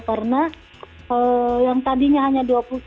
karena yang tadinya hanya dua puluh tujuh lima puluh sembilan